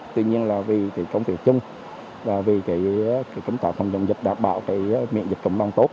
tuy nhiên là vì công việc chung và vì cái cấm tạo phòng chống dịch đảm bảo miệng dịch cộng đoàn tốt